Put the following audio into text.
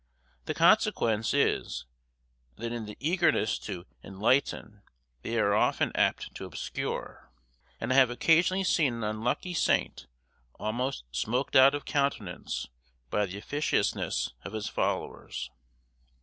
The consequence is, that in the eagerness to enlighten, they are often apt to obscure; and I have occasionally seen an unlucky saint almost smoked out of countenance by the officiousness of his followers.